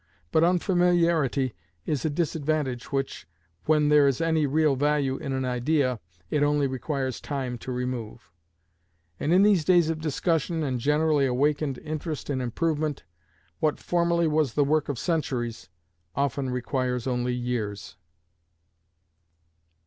But unfamiliarity is a disadvantage which, when there is any real value in an idea, it only requires time to remove; and in these days of discussion and generally awakened interest in improvement, what formerly was the work of centuries often requires only years.